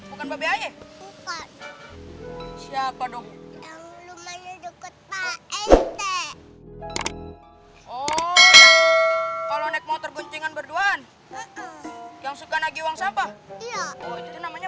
oh kalau naik motor guncingan berduaan yang suka nagi uang sampah namanya